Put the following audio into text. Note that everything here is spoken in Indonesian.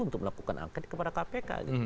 untuk melakukan angket kepada kpk